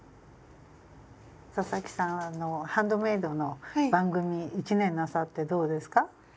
佐々木さんはハンドメイドの番組１年なさってどうですか？